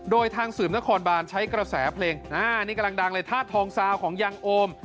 โดยทางสื่อมนักความบาลใช้กระแสเพลงอันนี้กำลังดังเลยทาสทองทราบของยังโอม